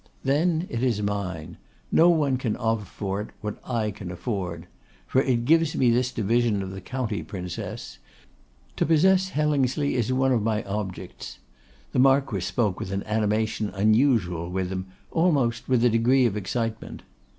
Then it is mine. No one can offer for it what I can afford. For it gives me this division of the county, Princess. To possess Hellingsley is one of my objects.' The Marquess spoke with an animation unusual with him, almost with a degree of excitement.